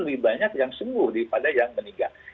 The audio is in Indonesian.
lebih banyak yang sembuh daripada yang meninggal